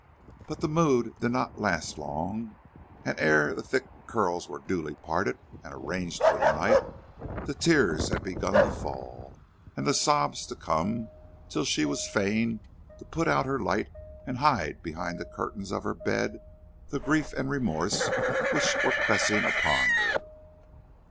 But the mood did not last long, and ere the thick curls were duly parted and arranged for the night, the tears had begun to fall, and the sobs to come till she was fain to put out her light and hide behind the curtains of her bed the grief and remorse which were pressing upon her.